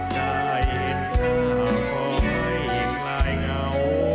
ใจเห็นหน้าคอยยิ่งลายเหงา